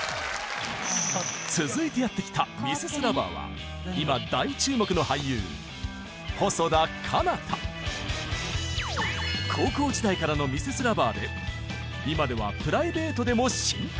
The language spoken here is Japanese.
続いてやって来たミセス ＬＯＶＥＲ は今大注目の高校時代からのミセス ＬＯＶＥＲ で今ではプライベートでも親交が